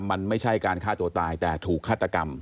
มันไม่ใช่การฆ่าตัวตายแต่ถูกฆาตกรรม